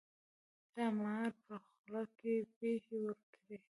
ښامار په خوله کې پښې ورکړې.